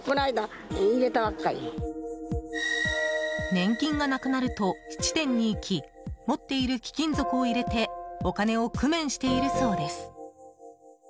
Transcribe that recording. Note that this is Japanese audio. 年金がなくなると、質店に行き持っている貴金属を入れてお金を工面しているそうです。